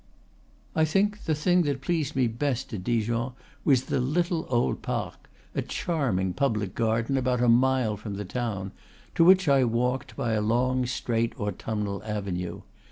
I think the thing that pleased me best at Dijon was the little old Parc, a charming public garden, about a mile from the town, to which I walked by a long, straight autumnal avenue.